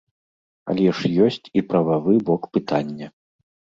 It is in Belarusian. Але ж ёсць і прававы бок пытання.